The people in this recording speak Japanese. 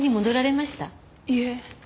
いえ。